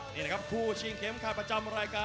นี่แหละครับคู่ชิงเข็มขัดประจำรายการ